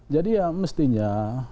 jadi ya mestinya